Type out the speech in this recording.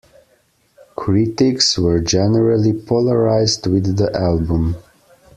Critics were generally polarised with the album.